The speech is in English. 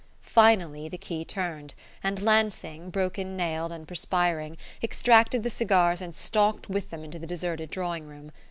Finally the key turned, and Lansing, broken nailed and perspiring, extracted the cigars and stalked with them into the deserted drawing room.